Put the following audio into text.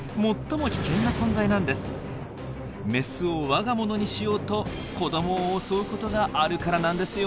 メスを我が物にしようと子どもを襲うことがあるからなんですよ。